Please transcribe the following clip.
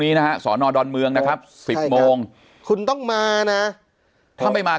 นี้นะฮะสนดมนะครับสิบโมงคุณต้องมานะถ้าไม่มา